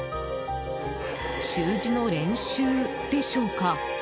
習字の練習でしょうか？